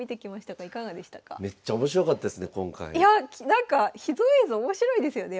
なんか秘蔵映像面白いですよね